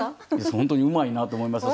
本当にうまいなと思いました。